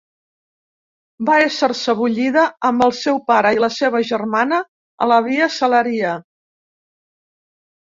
Va ésser sebollida amb el seu pare i la seva germana a la via Salaria.